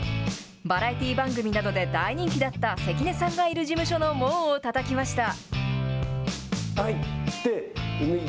バラエティー番組などで大人気だった関根さんがいる事務所の門をたたきました。